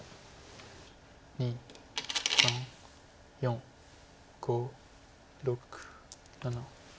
２３４５６７。